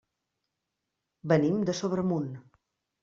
Venim de Sobremunt.